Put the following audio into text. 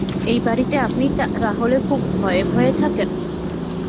এই বাড়িতে আপনি তাহলে খুব ভয়ে-ভয়ে থাকেন?